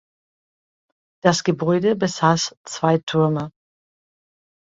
Das Gebäude besaß zwei Türme.